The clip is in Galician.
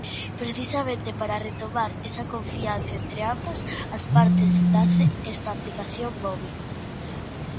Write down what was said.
Precisamente para retomar esa confianza entre ambas as partes nace esta aplicación móbil.